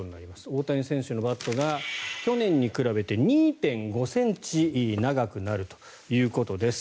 大谷選手のバットが去年に比べて２．５ｃｍ長くなるということです。